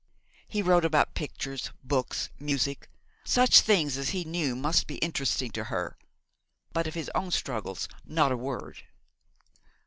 He wrote about pictures, books, music, such things as he knew must be interesting to her; but of his own struggles not a word.